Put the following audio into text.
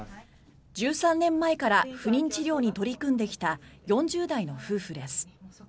１３年前から不妊治療に取り組んできた４０代の夫婦です。